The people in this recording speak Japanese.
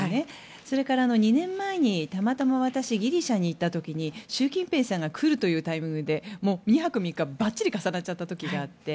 それから２年前にたまたま私ギリシャに行った時に習近平さんが来るタイミングでもう２泊３日ばっちり重なっちゃった時があって。